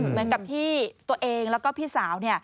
เหมือนกับที่ตัวเองแล้วก็พี่สาว